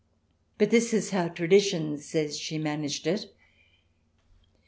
But this is how tradition says she managed it.